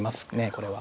これは。